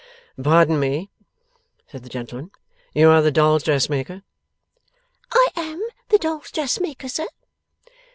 'Pardon me,' said the gentleman. 'You are the dolls' dressmaker?' 'I am the dolls' dressmaker, sir.